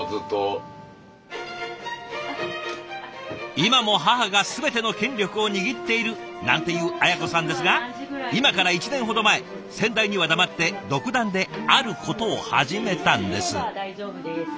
「今も母が全ての権力を握っている」なんて言う綾子さんですが今から１年ほど前先代には黙って独断であることを始めたんです。